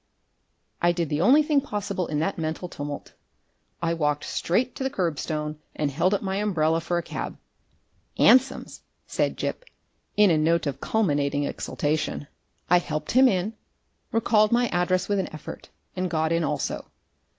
I did the only thing possible in that mental tumult; I walked straight to the kerbstone and held up my umbrella for a cab. "'Ansoms," said Gip, in a note of culminating exultation. I helped him in, recalled my address with an effort, and got in also.